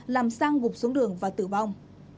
làm sang gục xuống đường và tử vong